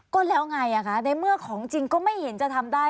ก็แล้วไงคะในเมื่อของจริงก็ไม่เห็นจะทำได้